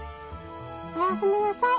おやすみなさい。